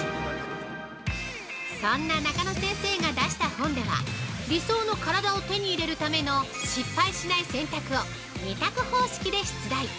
そんな中野先生が出した本では理想の体を手に入れるための失敗しない選択を２択方式で出題！